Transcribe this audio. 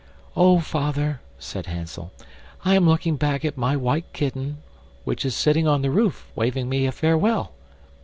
"Oh! father," said Hansel, "I am looking back at my white kitten, which is sitting on the roof, waving me a farewell."